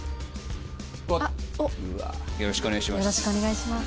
わっよろしくお願いします。